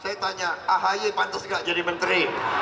saya tanya ahaye pantas nggak jadi menteri